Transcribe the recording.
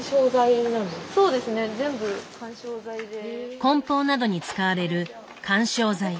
こん包などに使われる緩衝材。